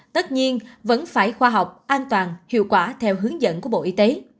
tất nhiên vẫn phải khoa học an toàn hiệu quả theo hướng dẫn của bộ y tế